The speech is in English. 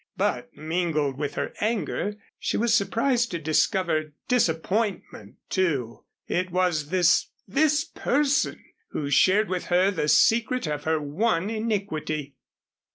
But mingled with her anger, she was surprised to discover disappointment, too. It was this this person who shared with her the secret of her one iniquity.